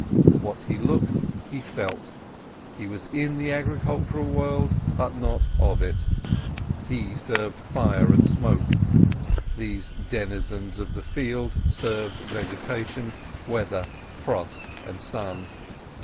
What he looked he felt. He was in the agricultural world, but not of it. He served fire and smoke; these denizens of the fields served vegetation, weather, frost, and sun.